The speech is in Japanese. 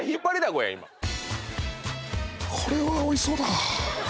「これはおいしそうだ。